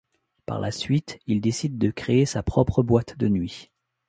Par la suite, il décide de créer sa propre boîte de nuit.